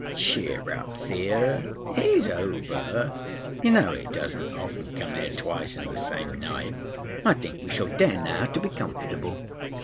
"Cheer up, Thea. It is over. You know it does not often come here twice in the same night. I think we shall dare now to be comfortable."